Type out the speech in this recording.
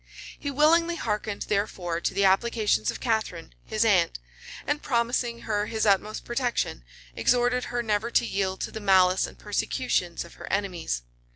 He willingly hearkened, therefore, to the applications of Catharine, his aunt; and promising her his utmost protection, exhorted her never to yield to the malice and persecutions of her enemies.